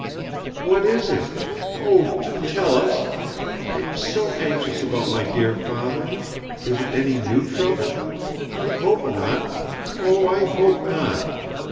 "What is it? Oh, do tell us! I am so anxious about my dear Father! Is it any new trouble? I hope not! oh, I hope not!